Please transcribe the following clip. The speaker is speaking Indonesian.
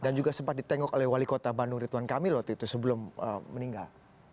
dan juga sempat ditengok oleh wali kota bandung ritwan kamilot itu sebelum meninggal